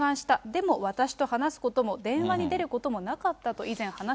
でも、私と話すことも、電話に出ることもなかったと以前、で、